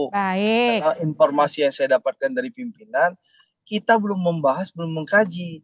karena informasi yang saya dapatkan dari pimpinan kita belum membahas belum mengkaji